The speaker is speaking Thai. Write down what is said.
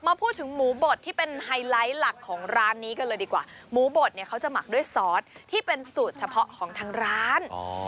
พูดถึงหมูบดที่เป็นไฮไลท์หลักของร้านนี้กันเลยดีกว่าหมูบดเนี่ยเขาจะหมักด้วยซอสที่เป็นสูตรเฉพาะของทางร้าน